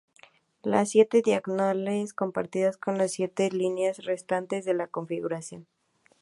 Las siete diagonales compartidas son las siete líneas restantes de la configuración.